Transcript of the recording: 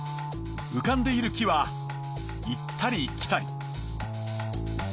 うかんでいる木は行ったり来たり。